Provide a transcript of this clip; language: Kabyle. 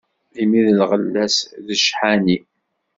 Imi lɣella-s d cḥani.